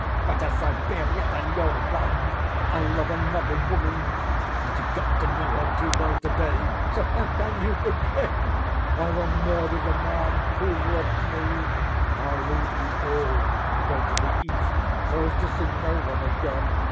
Better Siberia than your love, for I love another woman and you got to know her too well to‐day, so how can you forgive? I will murder the man who's robbed me! I'll leave you all and go to the East so as to see no one again.